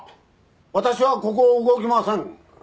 私はここを動きません。